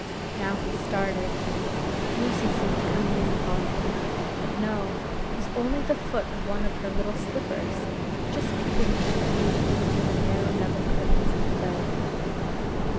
Now he started; Lucy seemed coming in upon him; but no 'tis only the foot of one of her little slippers, just peeping into view from under the narrow nether curtains of the bed.